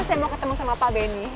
saya mau ketemu sama pak benny